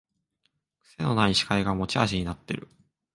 くせのない司会が持ち味になってる